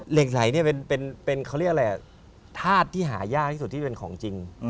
เหล็กไหลเนี่ยเป็นเขาเรียกอะไรธาตุที่หายากที่สุดที่เป็นของจริง